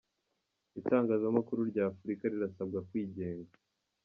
Itangazamakuru ry’Afurika rirasabwa kwigenga